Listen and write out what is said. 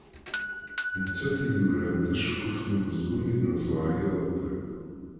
D nettat i yuran taceqquft n umezgun i d-neẓra iḍelli.